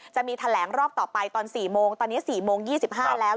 จะมีแถลงรอบต่อไปตอน๔โมงตอนนี้๔โมง๒๕แล้ว